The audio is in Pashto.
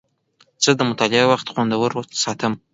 زه د مطالعې وخت خوندور ساتم.